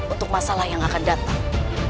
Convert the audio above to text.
untuk masalah yang akan datang